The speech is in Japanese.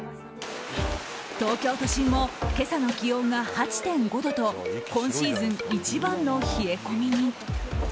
東京都心も今朝の気温が８．５度と今シーズン一番の冷え込みに。